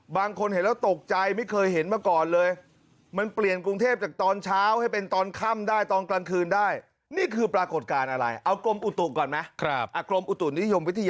บางคนเห็นแล้วตกใจไม่เคยเห็นเมื่อก่อนเลย